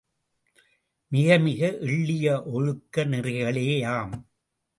மிகமிக எள்ளிய ஒழுக்க நெறிகளேயாம்.